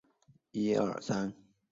敌向申津渡方向逃去。